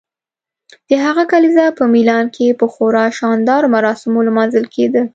د هغه کلیزه په میلان کې په خورا شاندارو مراسمو لمانځل کیده.